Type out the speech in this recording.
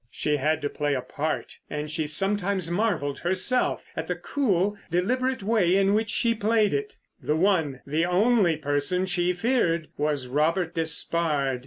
She had to play a part, and she sometimes marvelled herself at the cool, deliberate way in which she played it. The one, the only person, she feared, was Robert Despard.